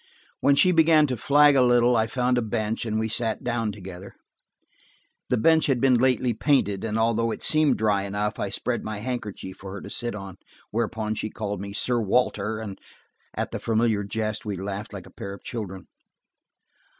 When she began to flag a little I found a bench, and we sat down together. The bench had been lately painted, and although it seemed dry enough, I spread my handkerchief for her to sit on. Whereupon she called me "Sir Walter," and at the familiar jest we laughed like a pair of children.